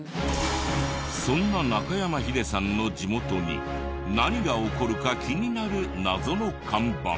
そんな中山ヒデさんの地元に何が起こるか気になる謎の看板。